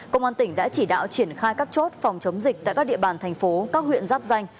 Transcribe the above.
công an tỉnh đã chỉ đạo triển khai các chốt phòng chống dịch tại các địa bàn thành phố các huyện giáp danh